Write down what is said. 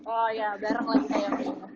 oh ya bareng lagi saya